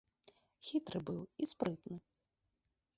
Хітры быў і спрытны.